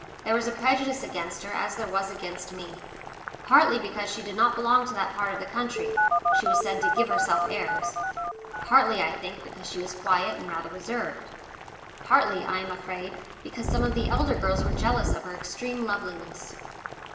There was a prejudice against her as there was against me: partly, because she did not belong to that part of the country, she was said to "give herself airs"; partly, I think, because she was quiet and rather reserved; partly, I am afraid, because some of the elder girls were jealous of her extreme loveliness.